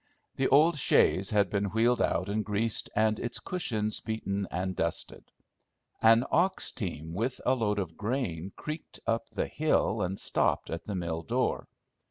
The old chaise had been wheeled out and greased, and its cushions beaten and dusted. An ox team with a load of grain creaked up the hill and stopped at the mill door.